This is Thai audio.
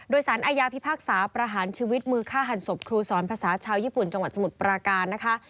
โดยสารอาญาพิพากษาประหารชีวิตมือฆ่าหันศพครูสอนภาษาชาวญี่ปุ่นจังหวัดสมุทรปราการนะคะ